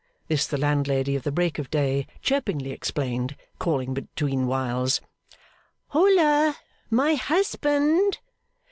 This the landlady of the Break of Day chirpingly explained, calling between whiles, 'Hola, my husband!